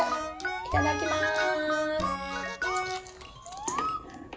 いただきます。